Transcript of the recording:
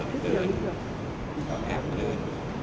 เดินแอบเดิน